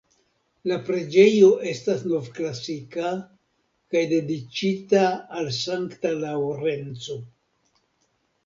La preĝejo estas novklasika kaj dediĉita al Santa Laŭrenco.